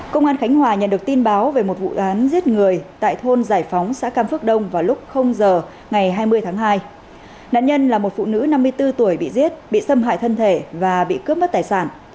công an khánh hòa nhận được tin báo về một vụ án giết người tại thôn giải phóng xã cam phước đông vào lúc giờ ngày hai mươi tháng hai nạn nhân là một phụ nữ năm mươi bốn tuổi bị giết bị xâm hại thân thể và bị cướp mất tài sản